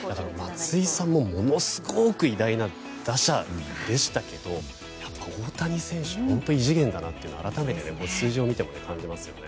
松井さんもものすごく偉大な打者でしたけれども大谷選手は本当に異次元だなと改めて数字を見ても感じますよね。